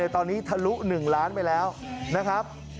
ตอนนี้ทะลุ๑ล้านไปแล้วนะครับ